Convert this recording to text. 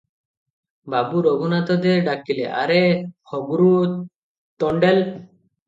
ବାବୁ ରଘୁନାଥ ଦେ ଡାକିଲେ - "ଆରେ ହଗ୍ରୁ ତଣ୍ଡେଲ!